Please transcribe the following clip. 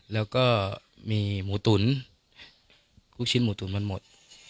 แล้วก็มีหมูตุ๋นลูกชิ้นหมูตุ๋นมันหมด